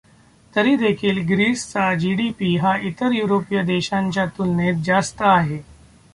तरी देखील ग्रीसचा जी. डी. पी हा इतर युरोपीय देशांच्या तुलनेत जास्त आहे.